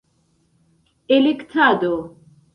elektado